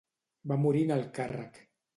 Va morir en el càrrec.